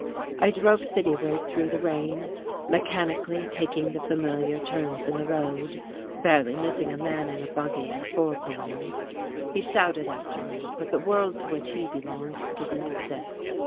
I drove cityward through the rain, mechanically taking the familiar turns in the road, barely missing a man in a buggy at a four corners. He shouted after me, but the world to which he belonged didn't exist.